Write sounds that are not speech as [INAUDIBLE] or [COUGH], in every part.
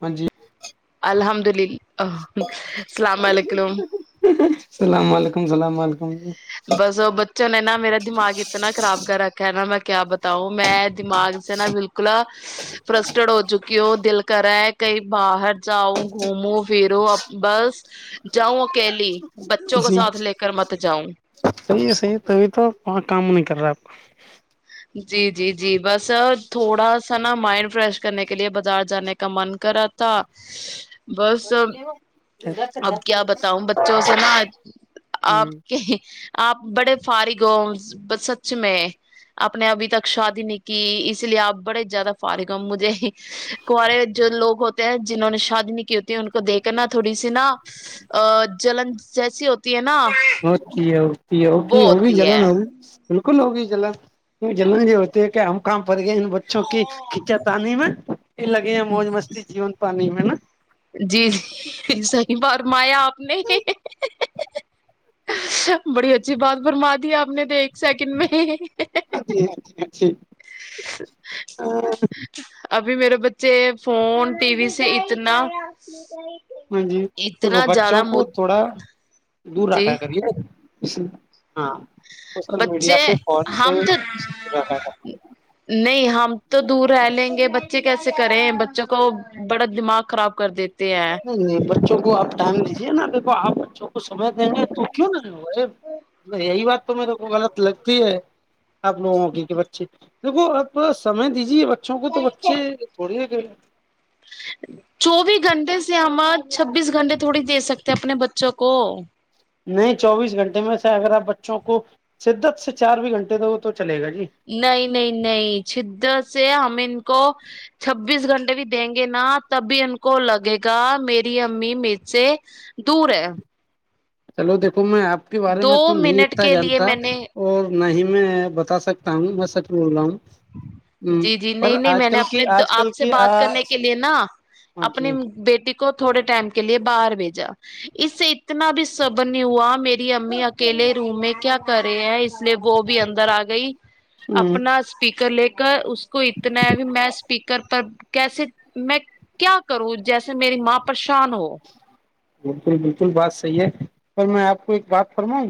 ہاں جی الحمد اللہ السلام علیکم رم سلام عل بس بچوں نے نا میرا دماغ اتنا خراب کر رکھا ہےا میں کیا بتاؤ میں دماغ سے نا بالکل فرسٹڈ ہو چکی ہو دل کرا ہے کہیں باہر جاؤ گھوموں پھروں بس جاؤں اکلی بچوں کو جی ساتھ لے کر مت جاؤں صحیح ہے صحیح تبھی تو وہ کام نہیں کر رہا آپ کا جی جی جی بس تھوڑا سا نا مائنڈ فریش کرنے کے لیے بازار جانے کا من کرا تھا بس اب کا اب ہ کیا بتاؤں بچوں سے نا آپ کے آپ بڑے فارغ ہو سچ میں اپ نے ابھی تک شادی نہیں کی اس لیے آپ بڑے زیادہ فارغ ہو مجھے کارے جو لوگ ہوتے جنوں نے شادی نہیں کی ہوتی ہے ان کو کو دیکھناا تھوڑی سی نا ا جلن جیسی ہوتی ہے نا ہوتی ہ یہ ہوک وہ ہوگی ہوتی ہے جلن ہوگی کل ہوگی جلن کی جلن ج ہوتی ہے کہ ہم کام پڑ گئے ان بچوں کی کھچا تانی میں یہ لگے ہیں موج مستی جیون پانے میں ہے نا جی جی صحیح فرمایا آپ نے بڑی اچھی بات فرما دی آپ نے دیکھ اچھھی اچھھی اچھھی ا ا میرے بچے فون ٹی وی سے جتنا آپ ہاں جی تو بچوں کو م تھوڑا دور رکھا جی کریے اشو بچے سے ہم تو ٹی وی سے دور رکھا نہیں ہم تو دور رہ لیں گے ب بچے کیسے کریں بچوں کو بڑا دماغ خراب کر دیتے ہیں نہیں نہیں بچوں کو آپ ڈٹانگ دیجیے نا ا آپ بچوں کو سمے دیں گے تو کیوں نہ اے یہی بات تو میریرے کو غلط لگتی ہے آپ لوگوں اگ کے بچے دیکو آپ تھوا سمے دیجیے بچوں کو تو بچے تھوڑی گئے چوبیس گھنٹے سے ہمار چھبیس گھنٹے تھوڑی دے سکتے اپنے بچوں کو کو نہیں چوبیس گھنٹے میں سے اگر آپ بچوں کو شدت سے چار بھی گھنٹے دو تو چلے گا جی نہیں نہیں نہیں چد سے ہم کو چھبیس گھنٹے بھی دیں گے نا تبھی ان کو لگے گا میری امی میر سے دور ہے چلو دیکھ کو میں آپ کے بارے دو میں تو نہیں منٹ اتنا کے لیے جانتا میں نے اور نہ ہی میں بتا سکتا ہوں میں سچ بول رہا ہوں ہ جی جی پر نہیں نہیں آج میں نے کل کی اپنے آج آپ کل سے کی بات کرنے کے لیے ہاں نا اپنی جی بیٹی کو تھوڑے ٹائم کے لیے باہر بھیجا اس سے اتنا بھی صبر نہیں ہوا میری امی اکیلے روم میں کیا کر رہے ہیں اس لیے وہ بھی اندر آ گئی ہ اپنا کر لے کر اس کو اتنا ہے بھی میں اسپیکر پر کیسے میں کیا کروں جیسے میری ماں پریشان ہو بالکل بالکل بات صحیح ہے س میں آپ کو ایک بات فرماؤں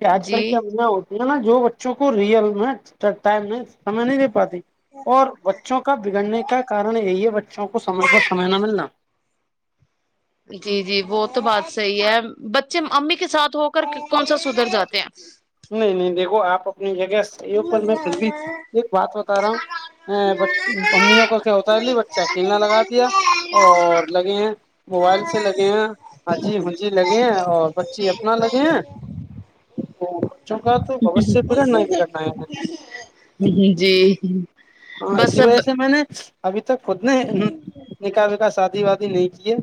کہ آج کل جی کیا نہ ہوتی نا جو بچوں کو ریئل میں ٹائم میں سمے نہیں دے پاتی اور بچوں کا بگڑنے کا کارن یہی ہے بچہ بچوں کو سمے پر سمے نہ ملنا جی جی وہ تو بات صحیح ہے بچے امی کے ساتھ ہو کر کون سا سدھر جاتے ہیں نہیں نہیں دیکھو آپ یہ اوپر میں پھر بھی ایک بات بتا رہا ہوں امیوں کو کیا ہوتا ہے ل بچے اکیلالا لگا دیا اور لگے ہیں موبائل سے لگے ہیں ہ جی ہجی لگے ہیں اور بچی اپنا لگے ہیں جگا تو اوش سے برا ن نہیں ب گاان جی جی ہاں ای سی بس وج اب سے م [INAUDIBLE] ابھی [INAUDIBLE] خود نے نکا و کاا ساتھ [INAUDIBLE] وادی نہیں کیے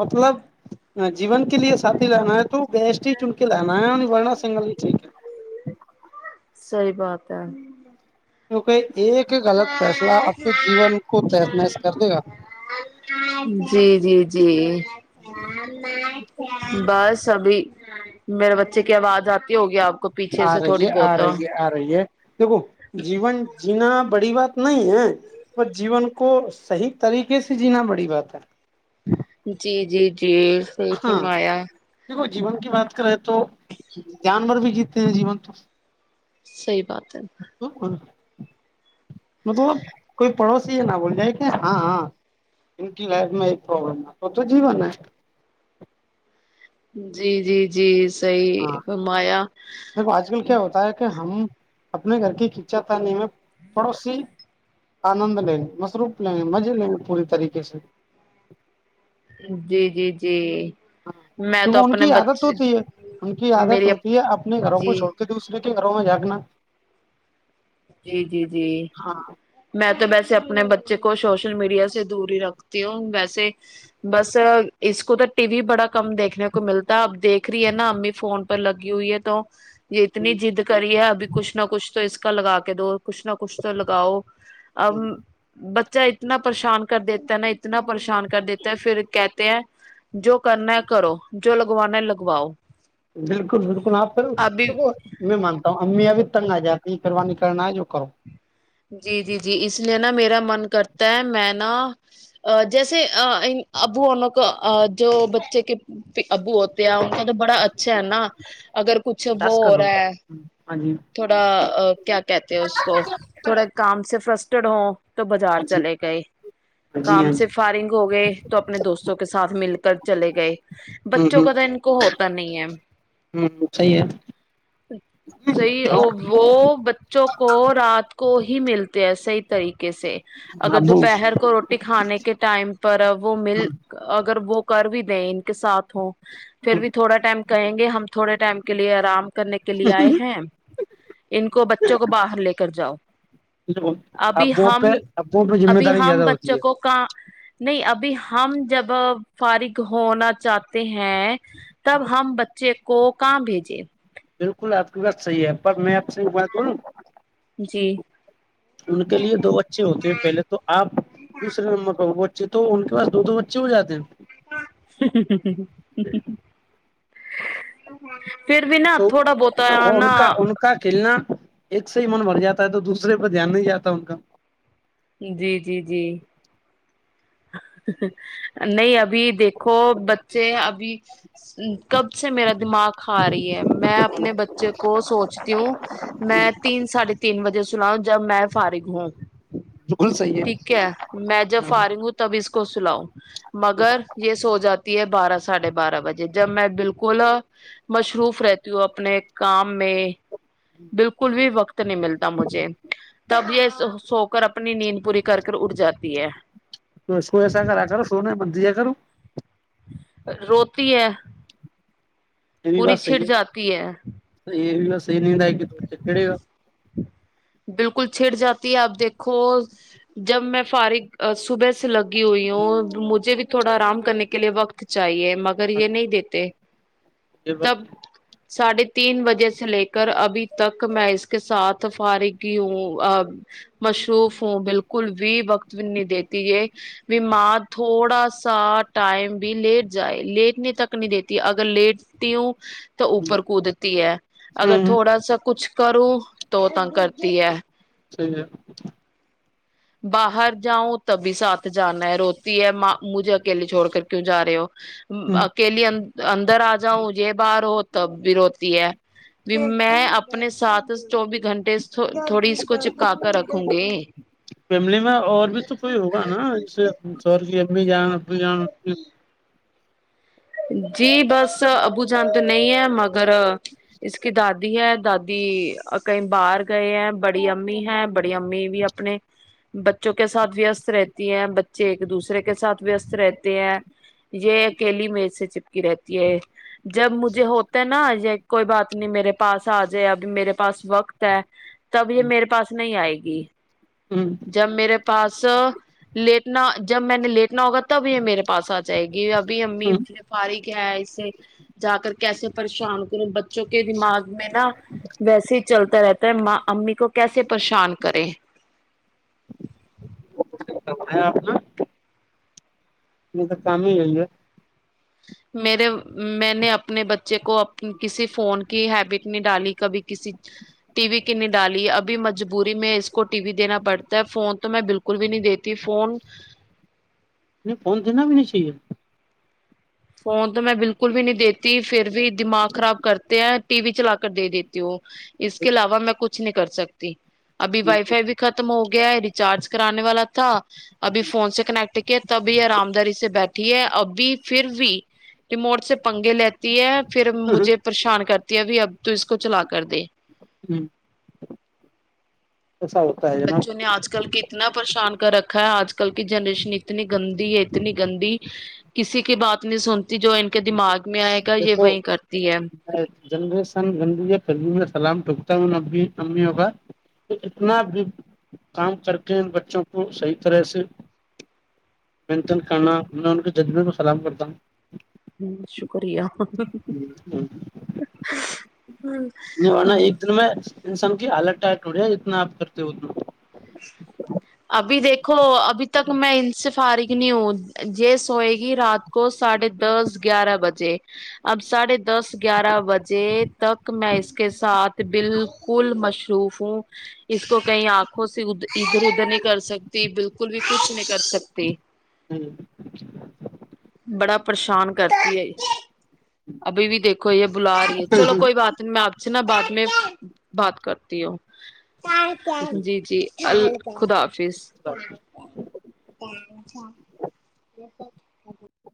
مطلب جیون کے لیے ساتھی رہناا ہے تو [INAUDIBLE] بیسٹی ہی چنک ل ن [INAUDIBLE] وورن سنگل وچ [INAUDIBLE] سحی بات ہے کیونکہ ایک غلط فیصلہ آپ کے جیون کو تحس نحس کر دے گا [INAUDIBLE] جی [INAUDIBLE] میرے بچے کی آواز آتی ہوگی آپ [INAUDIBLE] آ سے رگ تھوڑی بہت آرگ [INAUDIBLE] آ رہی ہے دیکھو جیون جی [INAUDIBLE] جین بڑی بات نہیں ہے ب جیون کو صحی طریقے سے جینا بڑی بات ہے جی جی [INAUDIBLE] جی صحی ہاں کمایا [INAUDIBLE] دیکھو جیون کی بات کریں تو جانور بھی جیتے ہیں جیون تو [INAUDIBLE] صحی بات ہے [INAUDIBLE] مطلب کوئی پڑوسی یہ نہ بول جائے کہ ہاں ہاں ان کی لائف میں ایک پرابلم ہے تو تو جیون ہے [INAUDIBLE] جی جی جی [INAUDIBLE] ہاں صیمایا [INAUDIBLE] دیکھو آج کل کیا ہوتا ہے کہ ہم اپنے گھر کی کچا تھاانی میں پڑوسی آنند لیں مصروف لیں مزے لیں گے پوری طریقے سے [INAUDIBLE] جی جی جی [INAUDIBLE] ہاں میں کیک تو ان اپنے کی عادت بچے ہوتی ہے ان کی عادت میری ہوتی ہے اپنے گھروں کو جی چھوڑ کے دوسرے [INAUDIBLE] کرو میں جااک نا [INAUDIBLE] جی جی جی میں تو ویسے اپنے بچے کو سوشل میڈیا سے دور ہی رکھتی ہوں ویسے بس اس کو تو ٹی وی بڑا کم دیکھنے کو ملتا اب دیکھ رہی ہے نا امی فون پر لگی ہوئی ہے تو یہ اتنی ضد کری ہے ابھی کچھ نہ کچھ [INAUDIBLE] س [INAUDIBLE] ا لگا کے دو کچھ نہ کچھ تو لگاؤ ا بچ [INAUDIBLE] چا اتنا پریشان کر دیتا ہے نا اتنا پریشان کر دیتا ہے پھر کہتے ہیں جو کرنا ہے کرو جو لگوانا ہے لگواؤ بالکل بالکل آپ پ ابھی میں مانتا ہوں امی ابھی تو تنگ آ جیا پ یہ کر ن کرنا آئے جو کرو [INAUDIBLE] جی جی جی اس لیے نا میرا من کرتا ہے میں [INAUDIBLE] جیسے ابو انوں کو جو بچے کے ابو ہوتے ہیں [INAUDIBLE] کہ بڑا اچھا ہے نا اگر کچھ وہ ٹاسک کر رہو ہوا ہاں جی تھوڑا کیا کہتے ہیں اس کو [INAUDIBLE] کام سے فرسٹرڈ ہوں تو بازار ہاں جی چلے گئے ہاں جی کام ہاں سے فائرنگ ہو گئے تو اپنے دوستوں کے ساتھ مل کر چلے گئے بچوں جی ہ کا تو ان کو ہوتا نہیں ہے ہ ہ صی صحیح وہ بچوں کو رات ہی ملتے ہیں صحیح طریقے سے اگر ابو دوپہر کو روٹی کھانے کے ٹائم پر وہ مل اگر وہ کر بھی دیں ان کے ساتھ ہووں پھر بھی تھوڑا ٹائم کہیں گے ہم تھوڑے ٹائم کے لیے آرام کرنے کے لیے آئے ہیں ان کو بچوں کو باہر لے کر جاؤ ابھی ابو پہ ہم ابوں پہ ذمہ ابھی داری ہم زیادہ ہوتی بچوں ہے کو کا نہیں ابھی ہم جب فارغ ہونا چاہتے ہیں تب ہم بچے کو کہاں بھیجے بالکل آپ کی بات صحیح ہے پر میں آپ سے بات کروں جی ان کے لیے دو بچے ہوتے ہیں پہلے تو آپ دوسرے نمبر چ تو ان کے پاس دو بچے ہو جاتے ہیں [INAUDIBLE] پھر بھی نہا تو تھوڑا بہت نا ان کا ان کا کھیلنا ایک سے ہی من بھر جاتا ہے تو دوسرے پہ دھیان نہیں جاتا ان کا جی جی جی نہیں ابھی دیکھو بچے ابھی کب سے میرا دماغ کھا رہی ہے میں اپنے بچے کو سوچتی ہوں میں تین ساڑھے تین بجے سناؤ جب میں فارغ ہوں بالکل صحیح ٹھیک ہے میں جب ہے فارغ ہوں بیس کو چ لؤ مگر یہ سو جاتا تی ایم بارہ ساھے بارہ بجے جب میں بالکل مصروف رہتی ہوں اپنے کام میں بالکل بھی وقت نہیں ملتا مجھے تب یہ سوک اور اپنی نیند پوری کر اٹ جات تی ہے تو اس کو ایسا کرا کر اسو نے مت دیا کرو روتی ہے یہ بھی پوری بس سی چھٹ جاتی ہے یہ بھی بس ن آ کےا بالکل چھڑ جاتی ہے آپ دیکھو جب میں فارغ صبح سے لگی ہوئی ہوں مجھے بھی تھوڑا آرام کرنے کے لیے وقت چاہیے مگر گا یہ نہیں دیتے یہ بق تب ساڑھے تین بجے سے لے کر ابھی تک میں اس کے ساتھ فارغ ہوں مصروف ہوں بالکل بھی وقت نہیں دیتی یہ بیمار تھوڑا سا ٹائم بھی لیٹ جائے لیٹنے تک نہیں دیتی اگر لیٹتی ہوں تو اوپر کودتی ہے اگر ہ تھوڑا سا کچھ کروں تو ت تی ہے صحیح ہے باہر جاؤ تبھی ساتھ جانا ہے روتی ہے ماں مجھے اکیلی چھوڑ کر کیوں جا رہے ہو ہ اکیلی اندر آ جاؤں یہ باہار ہو ت روتی ہے بھی میں اپنے ساتھ چوبیس گھنٹے تھوڑی اس کو چپکا کر رکھوں گی فیملی میں اور بھی تو کوئی ہوگا نا جیسے س کی ا جان جی بس ابو جان تو نہیں ہے مگر اس کی دادی ہے دادی کہیں باہر گئے ہیں بڑی امی ہے بڑی امی بھی اپنے بچوں کے ساتھ وستست رہتی ہے بچے ایک دوسرے کے ساتھ وست رہتے ہیں یہ اکیلی میں سے چپکی رہتی ہے جب مجھے ہوتا نا یہ کوئی بات نہیں میرے پاس آ جائے اب میرے پاس وقت ہے تب یہ میرے پاس نہیں آئے گی جب میرے پاس لیٹنا جب میں نے لیٹنا ہوگا تب یہ میرے پاس آتا چاہ گی ابھی امی فارغ ہے اسے جا کر کیسے پریشان کروں بچوں کے دماغ میں نہ ویسے ہی چلتا رہتا امی کو کیسے پریشان کرے ہے آپنا نہیں تو کام ہی ہو ہے میرے میں نے اپنے بچے کو کسی فون کی ہیبٹ نہیں ڈالی کبھی کسی ٹی وی کی نہیں ڈالی ابھی مجبوری میں اس کو ٹی وی دینا پڑتا ہے فون تو میں بالکل بھی نہیں دیتی فون نہیں فون دینہ بھی نہیں چاہیے فون تو میں بالکل بھی نہیں دیتی پھر بھی دماغ خراب کرتے ہیں ٹی و ی چلا کر دے دیتے ہو اس کے علاوہ میں کچھ نہیں کر سکتی ابھی وائی فائی بھی ختم ہوگی گیا ہے ریچارج کرانے والا تھا ابھی فون سے کنیکٹ کیا تبھی آرام داری سے بیٹھ ٹھیک ہے ابھی پھر بھی ریموٹ سے پنگے لیتی ہے پھر بالکل۔ مجھے پریشان کر بھی اب تو اس کو چلا کر دے ہمم بچوں نے آج کل کے اتنا پریشان رکھا ہے آج کل کی جنریشن اتنی گندی ہے اتنی گندی کسی کی بات نہیں سنتی جو ان کے دماغ میں آئے گا یہ وہی کرتی ہے جنریسن گندی ہے فلمی میں سلام ڈٹکتا ہوں ان ا امیوں کا تو اتنا بھی کام کر کے ان بچوں کو صحی طرح سے مینٹین کرنا میں ان کے جذبے کو سلام کرتا ہوں ہممم شکریہ ہوں ہوں، نہیں ورنہ ایک دل میں انسان آلہنڑیا جتنا آپ کرتے ہو اتنا ابھی دیکھو ابھی تک میں ان سے فارغ نہیں ہوں یہ سوئے گی رات کو ساڑھے دس گیارہ بجے اب ساڑھے دس گیارہ بجے تک میں اس کے ساتھ بالکل مصروف ہوں اس کو کہیں آنکھوں سے ادھر نہیں کر سکتی بالکل بھی کچھ نہیں کر سکتی ہوں، بڑا پریشان کرتی ہے ابھی بھی دیکھو یہ بلا رہی ہے چلو ہوں، کوئی بات نہیں میں آپ اتنا بعد میں بات کرتی ہوں جی جی خدا ہوں، [UNINTELLIGIBLE] [INAUDIBLE]